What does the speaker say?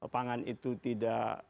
pangan itu tidak